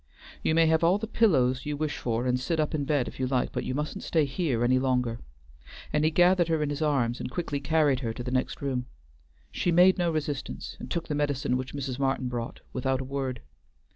"You may have all the pillows you wish for, and sit up in bed if you like, but you mustn't stay here any longer," and he gathered her in his arms and quickly carried her to the next room. She made no resistance, and took the medicine which Mrs. Martin brought, without a word.